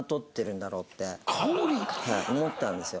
思ったんですよ。